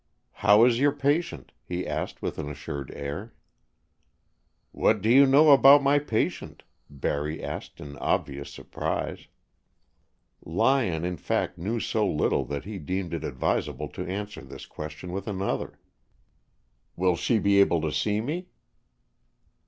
"How is your patient?" he asked with an assured air. "What do you know about my patient?" Barry asked in obvious surprise. Lyon in fact knew so little that he deemed it advisable to answer this question with another. "Will she be able to see me?"